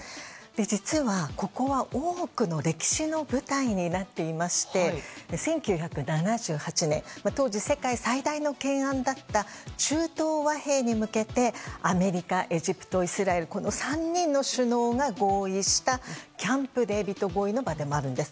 実は、ここは多くの歴史の舞台になっていまして１９７８年当時、世界最大の懸案だった中東和平に向けてアメリカ、エジプト、イスラエルこの３人の首脳が合意したキャンプ・デービッド合意の場でもあるんです。